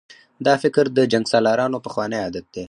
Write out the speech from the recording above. دا فکر د جنګسالارانو پخوانی عادت دی.